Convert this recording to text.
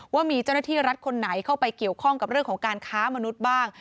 ว่ามีเจ้าหน้าที่รัฐคนไหนเข้าไปเกี่ยวข้องกับเรื่องของการค้ามนุษย์บ้าง